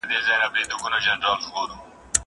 که وخت وي، ښوونځی ته ځم!!